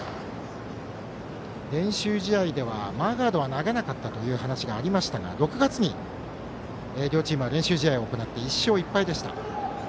練習試合ではマーガードは投げなかったという話がありましたが６月に両チームは練習試合を行い１勝１敗でした。